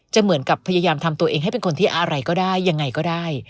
เหมือนกับพยายามทำตัวเองให้เป็นคนที่อะไรก็ได้ยังไงก็ได้